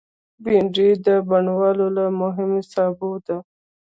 بېنډۍ د بڼوال له مهمو سابو ده